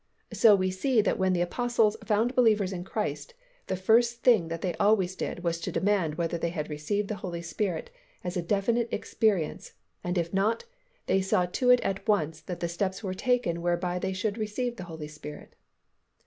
So we see that when the Apostles found believers in Christ, the first thing that they always did was to demand whether they had received the Holy Spirit as a definite experience and if not, they saw to it at once that the steps were taken whereby they should receive the Holy Spirit.